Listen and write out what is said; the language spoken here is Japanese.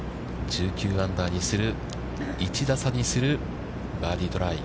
１９アンダーにする、１打差にするバーディートライ。